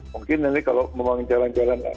mungkin nanti kalau memang jalan jalan antar daerah